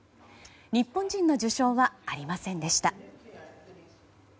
日本人の受賞はありませんでした。